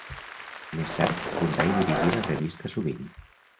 Més tard, fundà i dirigí la revista Sovint.